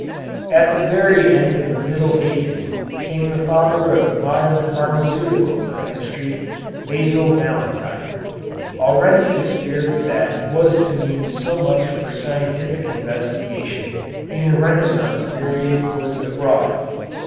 At the very end of the Middle Ages came the father of modern pharmaceutical chemistry, Basil Valentine. Already the spirit that was to mean so much for scientific investigation in the Renaissance period was abroad.